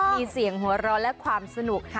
มีเสียงหัวเราะและความสนุก